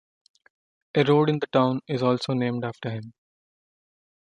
A road in the town is also named after him.